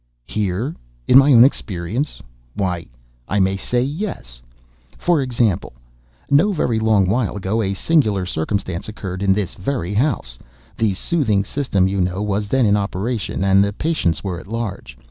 "Here?—in my own experience?—why, I may say, yes. For example:—no very long while ago, a singular circumstance occurred in this very house. The 'soothing system,' you know, was then in operation, and the patients were at large.